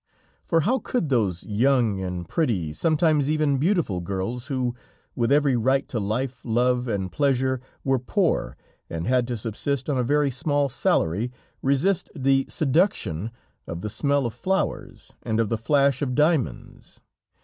For how could those young and pretty, sometimes even beautiful girls who, with every right to life, love and pleasure, were poor and had to subsist on a very small salary, resist the seduction of the smell of flowers and of the flash of diamonds?